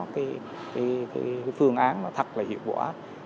cái phương án thật là hiệu quả